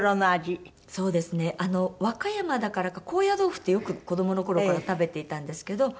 そうですね和歌山だからか高野豆腐ってよく子どもの頃から食べていたんですけど。